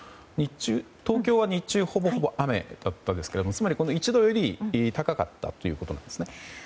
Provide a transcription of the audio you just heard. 東京は日中はほぼほぼ雨だったんですけどつまり１度より高かったということですね。